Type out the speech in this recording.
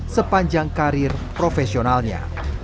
sepanjang karir profesionalnya